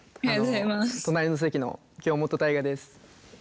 隣の席の京本大我です。